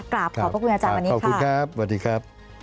กราบขอบพระคุณอาจารย์วันนี้ขอบคุณครับสวัสดีครับ